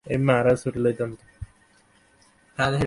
তিনি মেঘের সংগঠন প্রক্রিয়ার উপর গুরুত্বপূর্ণ পর্যবেক্ষণ করতে সমর্থ হন।